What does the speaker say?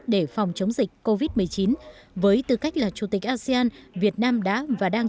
để phòng chống dịch covid một mươi chín với tư cách là chủ tịch asean việt nam đã và đang